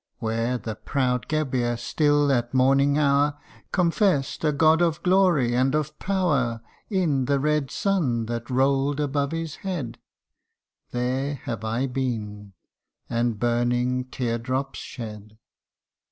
Where the proud Ghebir, still at morning hour, Confess 'd a God of glory and of power In the red sun that roll'd above his head, There have I been, and burning tear drops shed.